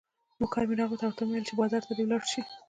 نوکر مې راوغوښت او ورته مې وویل چې بازار ته دې ولاړ شي.